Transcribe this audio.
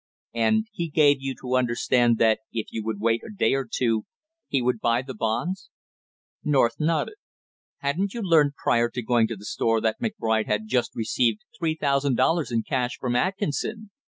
"And he gave you to understand that if you would wait a day or two he would buy the bonds." North nodded. "Hadn't you learned prior to going to the store that McBride had just received three thousand dollars in cash from Atkinson?"